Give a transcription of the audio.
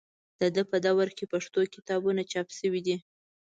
د ده په دوره کې پښتو کتابونه چاپ شوي دي.